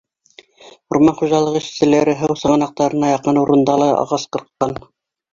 Урман хужалығы эшселәре һыу сығанаҡтарына яҡын урында ла ағас ҡырҡҡан.